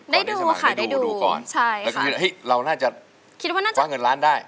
ได้ดูค่ะได้ดูก่อนแล้วก็คิดว่าเฮ่ยเราน่าจะความเงินล้านได้